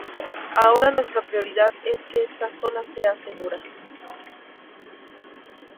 Ahora nuestra prioridad es que esta zona sea segura.